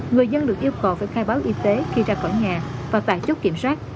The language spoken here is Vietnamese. người dân được yêu cầu phải khai báo y tế khi ra khỏi nhà và tại chốt kiểm soát